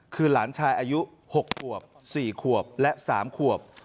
คือหลานชายอายุ๖ขวบ๔ขวบและ๓ขวบ